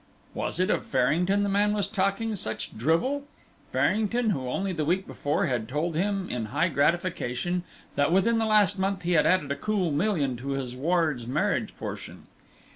Was it of Farrington the man was talking such drivel? Farrington, who only the week before had told him in high gratification that within the last month he had added a cool million to his ward's marriage portion.